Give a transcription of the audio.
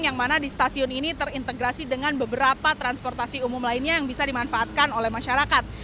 yang mana di stasiun ini terintegrasi dengan beberapa transportasi umum lainnya yang bisa dimanfaatkan oleh masyarakat